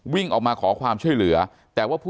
วิ่งออกมาขอความช่วยเหลือ